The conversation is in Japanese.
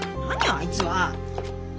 あいつは！